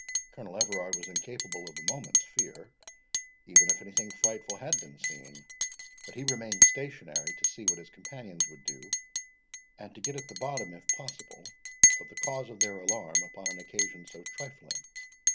Colonel Everard was incapable of a moment's fear, even if any thing frightful had been seen; but he remained stationary, to see what his companions would do, and to get at the bottom, if possible, of the cause of their alarm upon an occasion so trifling.